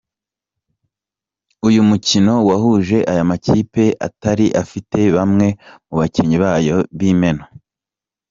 Uyu mukino wahuje aya makipe atari afite bamwe mu bakinnyi bayo b’imena.